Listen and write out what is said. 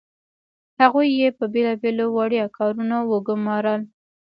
هغوی یې په بیلابیلو وړيا کارونو وګمارل.